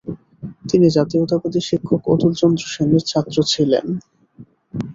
তিনি জাতীয়তাবাদী শিক্ষক অতুলচন্দ্র সেনের ছাত্র ছিলেন।